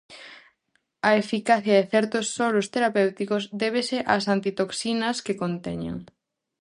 A eficacia de certos soros terapéuticos débese ás antitoxinas que conteñen.